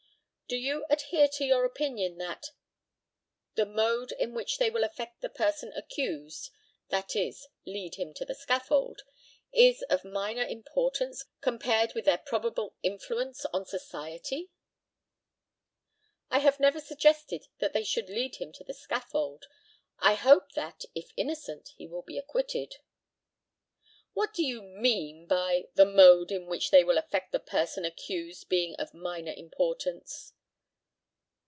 Do you adhere to your opinion that "the mode in which they will affect the person accused," that is, lead him to the scaffold, "is of minor importance, compared with their probable influence on society?" I have never suggested that they should lead him to the scaffold. I hope that, if innocent, he will be acquitted. What do you mean by "the mode in which they will affect the person accused being of minor importance?"